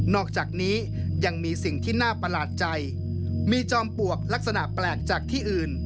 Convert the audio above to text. อกจากนี้ยังมีสิ่งที่น่าประหลาดใจมีจอมปลวกลักษณะแปลกจากที่อื่น